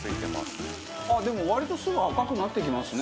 バカリズム：でも、割とすぐ赤くなってきますね。